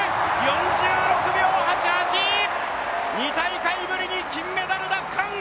４６秒８８、２大会ぶりに金メダル奪還！